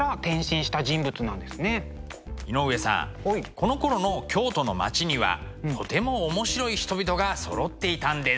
このころの京都の町にはとても面白い人々がそろっていたんです。